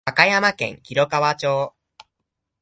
和歌山県広川町